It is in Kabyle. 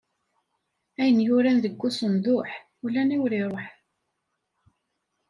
Ayen yuran deg usenduḥ, ula aniwer iṛuḥ.